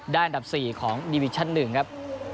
ด้านดับสี่ของดิวิชั่นหนึ่งครับ